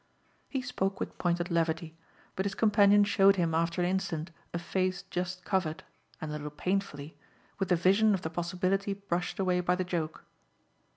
He spoke with pointed levity, but his companion showed him after an instant a face just covered and a little painfully with the vision of the possibility brushed away by the joke.